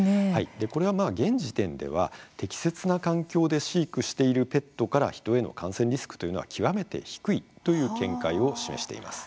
これは現時点では、適切な環境で飼育しているペットから人への感染リスクというのは極めて低いという見解を示しています。